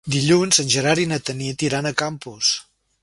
Dilluns en Gerard i na Tanit iran a Campos.